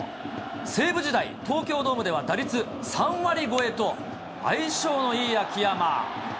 西武時代、東京ドームでは打率３割超えと、相性のいい秋山。